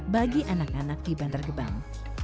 bagi anak anak di bantergebang